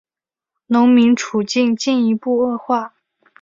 农民处境进一步恶化。